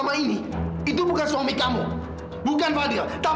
mila dia bukan fadil